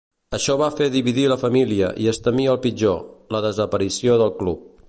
Això va fer dividir la família i es temia el pitjor: la desaparició del Club.